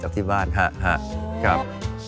จากที่บ้านค่ะครับ